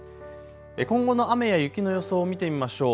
今後の雨や雪の予想を見てみましょう。